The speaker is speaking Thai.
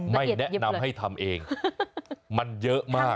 ไม่แนะนำให้ทำเองมันเยอะมาก